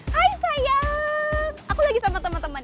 hai sayang aku lagi sama temen temen